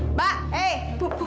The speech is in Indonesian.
mbak eh bu bu